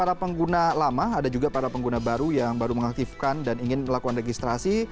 para pengguna lama ada juga para pengguna baru yang baru mengaktifkan dan ingin melakukan registrasi